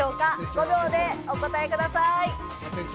５秒でお答えください。